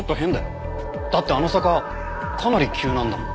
だってあの坂かなり急なんだもん。